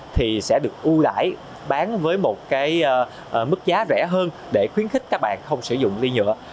thì sẽ được ưu đải bán với mức giá rẻ hơn để khuyến khích các bạn không sử dụng ly nhựa